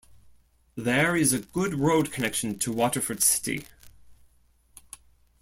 There is a good road connection to Waterford City.